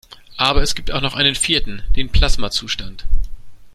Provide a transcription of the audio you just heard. Aber es gibt auch noch einen vierten: Den Plasmazustand.